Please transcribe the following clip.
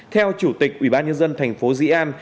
theo chủ tịch ủy ban nhân dân thành phố dĩ an